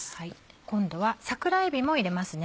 今度は桜えびも入れますね。